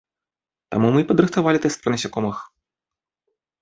Таму мы і падрыхтавалі тэст пра насякомых.